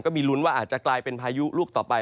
มีลุ้นว่าอาจจะกลายเป็นพายุลูกต่อไป